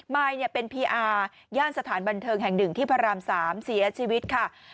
มายเป็นพีอาย่านสถานบันเทิงแห่งหนึ่งที่พระราม๓เสียชีวิตค่ะ